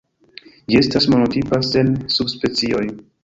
Ĝi estas monotipa, sen subspecioj.